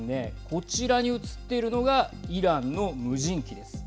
こちらに写っているのがイランの無人機です。